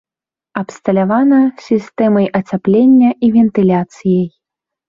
Абсталявана сістэмай ацяплення і вентыляцыяй.